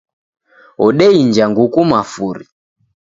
Odeinja nguku mafuri